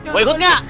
mau ikut gak